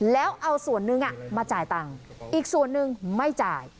แล้วเอาส่วนนึงมาจ่ายตังค์อีกส่วนหนึ่งไม่จ่าย